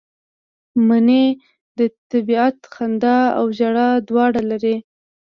منی د طبیعت خندا او ژړا دواړه لري